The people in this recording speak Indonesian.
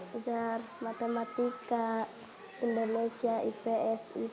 belajar matematika indonesia ips its